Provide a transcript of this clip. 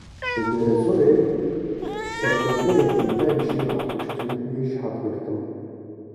Li Dêrazorê serkirdeyekî Daişê hat kuştin û yek jî hat girtin.